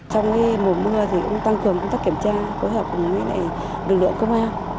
thường chúng ta kiểm tra phối hợp với lực lượng công an